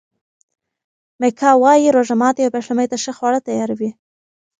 میکا وايي روژه ماتي او پیشلمي ته ښه خواړه تیاروي.